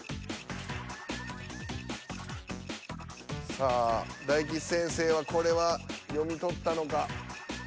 さあ大吉先生はこれは読み取ったのか。